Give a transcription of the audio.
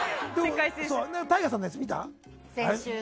ＴＡＩＧＡさんのやつ、見た？